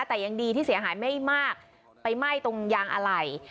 แต่ยังดีที่เสียหายไม่มากไปไหม้ตรงยางอะไหล่